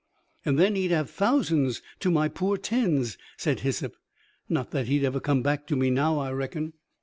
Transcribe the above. "And then he'd have thousands to my poor tens," said Hyssop. "Not that he'd ever come back to me now, I reckon."